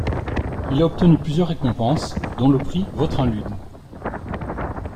Il a obtenu plusieurs récompenses dont le prix Vautrin-Lud.